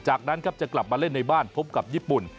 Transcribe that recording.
จากนั้นครับจะกลับมาเล่นในบ้านพบกับญี่ปุ่น